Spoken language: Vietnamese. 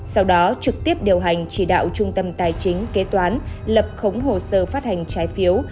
sau đó trực tiếp điều hành chỉ đạo trung tâm tài chính kế toán lập khống hồ sơ phát hành trái phiếu